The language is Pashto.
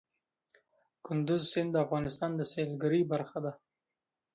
کندز سیند د افغانستان د سیلګرۍ برخه ده.